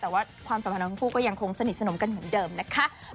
แต่ว่าความสัมพันธ์ทั้งคู่ก็ยังคงสนิทสนมกันเหมือนเดิมนะคะ